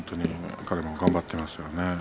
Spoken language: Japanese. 彼も頑張っていますね。